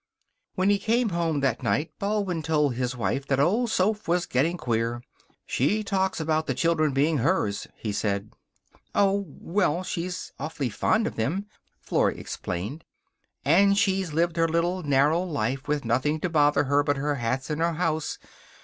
When he came home that night Baldwin told his wife that old Soph was getting queer. "She talks about the children being hers," he said. "Oh, well, she's awfully fond of them," Flora explained. "And she's lived her little, narrow life, with nothing to bother her but her hats and her house.